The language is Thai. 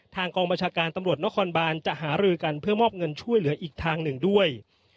กองบัญชาการตำรวจนครบานจะหารือกันเพื่อมอบเงินช่วยเหลืออีกทางหนึ่งด้วย